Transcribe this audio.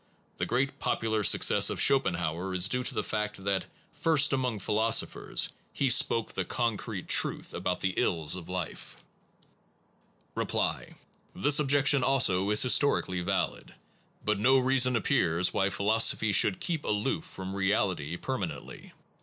The great popular success of Schopenhauer is due to the fact that, first among philosophers, he spoke the concrete truth about the ills of life. Reply. This objection also is historically valid, but no reason appears why philosophy Nor is it should keep aloof from reality per divorced , i TT i from manently.